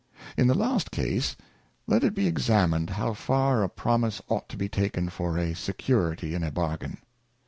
In the last place, let it be examined how far a Promise ought to be taken for a Security in a Bargain.